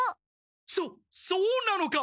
そそうなのか？